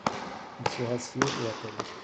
Il se rassied et appelle.